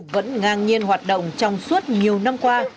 vẫn ngang nhiên hoạt động trong suốt nhiều năm qua